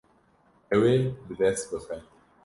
Ew ê bi dest bixe.